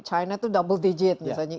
china itu double digit misalnya